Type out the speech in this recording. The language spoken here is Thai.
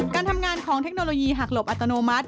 การทำงานของเทคโนโลยีหักหลบอัตโนมัติ